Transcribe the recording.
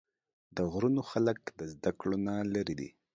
د غرونو خلق د زدکړو نه لرې دي